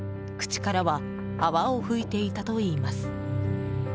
口からは泡を吹いていたといいます。